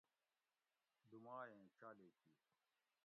لومائ ایں چالیکی